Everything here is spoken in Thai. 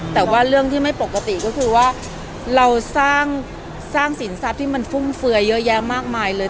แต่ว่าเรื่องที่ไม่ปกติก็คือว่าเราสร้างสินทรัพย์ที่มันฟุ่มเฟือยเยอะแยะมากมายเลย